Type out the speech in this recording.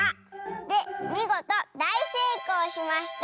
でみごとだいせいこうしました」。